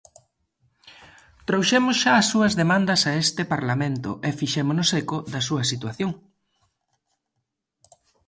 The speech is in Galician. Trouxemos xa as súas demandas a este Parlamento, e fixémonos eco da súa situación.